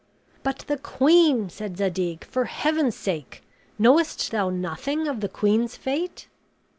"But the queen," said Zadig; "for heaven's sake, knowest thou nothing of the queen's fate?"